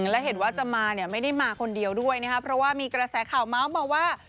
แล้วเห็นว่าจะมาไม่ได้มาคนเดียวด้วยนะครับประมาณว่ากระแสข่าวเนา้มมาว่า